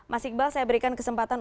mas iqbal saya berikan kesempatan